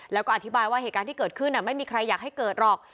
แล้วก็อธิบายว่าเหตุการณ์ที่เกิดขึ้นไม่มีใครอยากให้เกิดหรอก